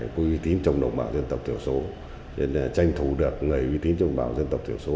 quy tín trong đồng bào dân tộc thiểu số tranh thủ được người uy tín trong bào dân tộc thiểu số